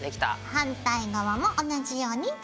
反対側も同じようにつけます。